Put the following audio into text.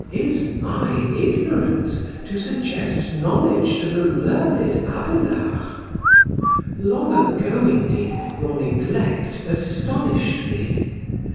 Is my ignorance to suggest knowledge to the learned Abélard? Long ago, indeed, your neglect astonished me.